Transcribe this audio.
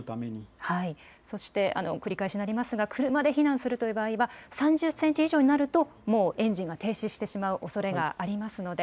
そして、繰り返しになりますが、車で避難するという場合は、３０センチ以上になるともうエンジンが停止してしまうおそれがありますので。